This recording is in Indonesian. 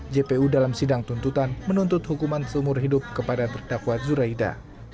jpu dalam sidang tuntutan menuntut hukuman seumur hidup kepada terdakwa zuraida